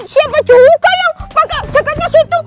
siapa juga yang pakai jaketnya situ